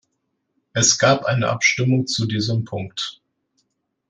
Es gab eine Abstimmung zu diesem Punkt.